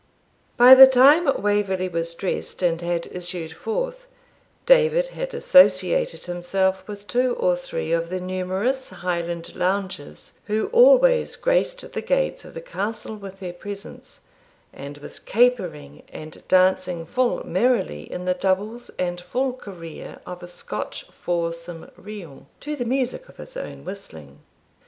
] By the time Waverley was dressed and had issued forth, David had associated himself with two or three of the numerous Highland loungers who always graced the gates of the castle with their presence, and was capering and dancing full merrily in the doubles and full career of a Scotch foursome reel, to the music of his own whistling.